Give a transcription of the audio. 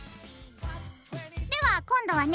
では今度はね